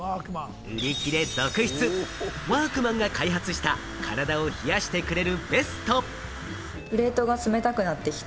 売り切れ続出、ワークマンが開発した体を冷やしてくれるベスト。